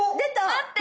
待って。